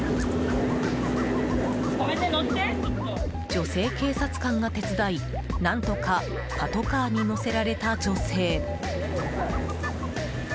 女性警察官が手伝い何とかパトカーに乗せられた女性。